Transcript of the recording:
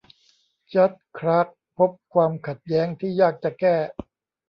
จัดจ์คลาร์คพบความขัดแย้งที่ยากจะแก้